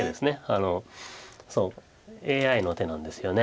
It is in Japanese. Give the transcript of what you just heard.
ＡＩの手なんですよね。